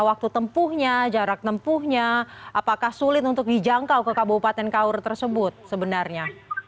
waktu tempuhnya jarak tempuhnya apakah sulit untuk dijangkau ke kabupaten kaur tersebut sebenarnya